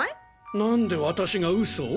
なんで私が嘘を？